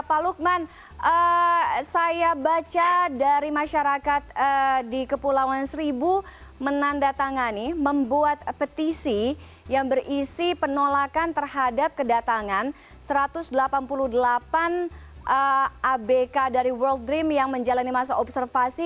pak lukman saya baca dari masyarakat di kepulauan seribu menandatangani membuat petisi yang berisi penolakan terhadap kedatangan satu ratus delapan puluh delapan abk dari world dream yang menjalani masa observasi